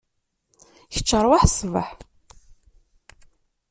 Kečč arwaḥ ṣbeḥ.